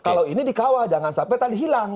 kalau ini dikawal jangan sampai tadi hilang